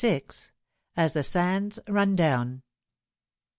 AS THE SANDS BUN DOWN.